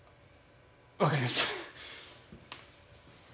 わかりました。